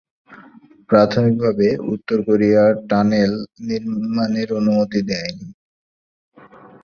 প্রাথমিকভাবে, উত্তর Korea tunnel নির্মাণের অনুমতি দেয়নি।